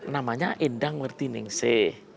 namanya indang mertiningse